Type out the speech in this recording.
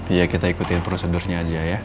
iya kita ikutin prosedurnya aja ya